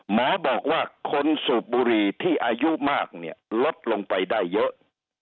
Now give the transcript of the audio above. หมอบอกว่าคนสูบบุหรี่ที่อายุมากเนี่ยลดลงไปได้เยอะ